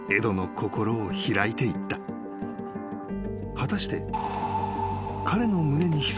［果たして］